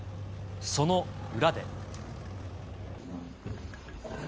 その裏で。